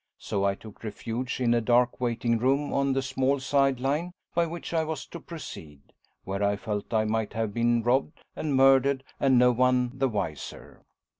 So I took refuge in a dark waiting room on the small side line by which I was to proceed, where I felt I might have been robbed and murdered and no one the wiser.